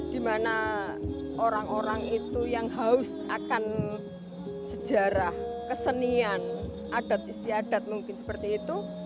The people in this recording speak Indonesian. dimana orang orang itu yang haus akan sejarah kesenian adat istiadat mungkin seperti itu